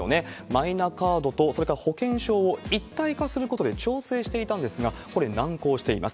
マイナカードと、それから保険証を一体化することで調整していたんですが、これ、難航しています。